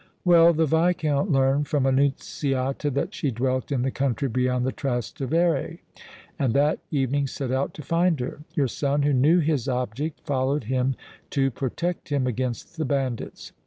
"Well, the Viscount learned from Annunziata that she dwelt in the country beyond the Trastavere and that evening set out to find her. Your son, who knew his object, followed him to protect him against the bandits.